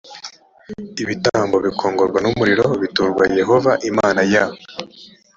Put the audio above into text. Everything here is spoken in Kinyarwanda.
ibitambo bikongorwa n umuriro b biturwa yehova imana ya